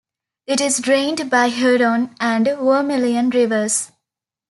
It is drained by Huron and Vermilion rivers.